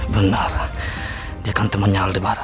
benar dia kan temannya albar